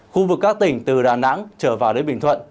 khu vực các tỉnh từ đà nẵng trở vào đến bình thuận